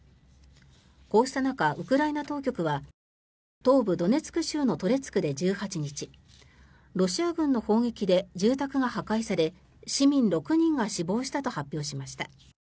こうした中、ウクライナ当局は東部ドネツク州のトレツクで１８日ロシア軍の砲撃で住宅が破壊され市民６人が死亡したと発表しました。